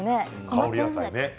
香り野菜。